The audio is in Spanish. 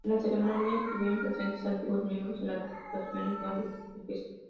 En la ceremonia, estuvieron presentes antiguos miembros de las tripulaciones de ambos buques.